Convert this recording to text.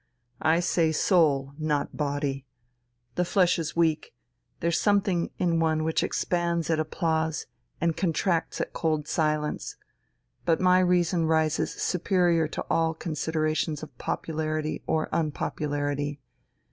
I say soul, not body. The flesh is weak there's something in one which expands at applause and contracts at cold silence. But my reason rises superior to all considerations of popularity or unpopularity.